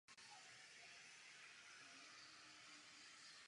Koleno je v ose čepu na němž se otáčí páka se zátěží.